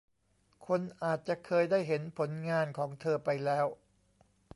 คนอาจจะเคยได้เห็นผลงานของเธอไปแล้ว